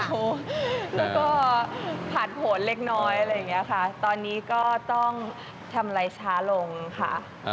แล้วก็ผ่านผลเล็กน้อยตอนนี้ก็ต้องทำอะไรช้าลงค่ะ